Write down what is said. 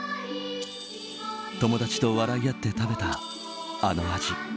友達と笑い合って食べたあの味。